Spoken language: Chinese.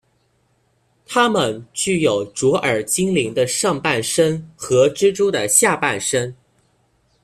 他们具有卓尔精灵的上半身和蜘蛛的下半身。